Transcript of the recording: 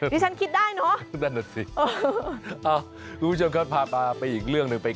ที่ฉันคิดได้เนอะได้หน่อยสิเอ้าคุณผู้ชมครับพาปลาไปอีกเรื่องหนึ่ง